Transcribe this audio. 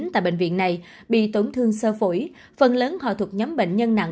tại bệnh viện này bị tổn thương sơ phổi phần lớn họ thuộc nhóm bệnh nhân nặng